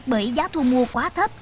bởi giá thu mua quá thấp